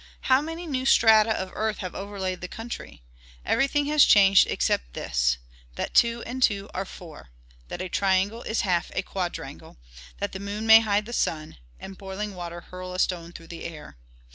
how many new strata of earth have overlaid the country. Everything has changed except this, that two and two are four, that a triangle is half a quadrangle, that the moon may hide the sun, and boiling water hurl a stone through the air.